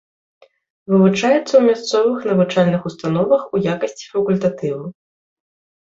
Вывучаецца ў мясцовых навучальных установах у якасці факультатыву.